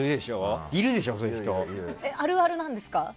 あるあるなんですか？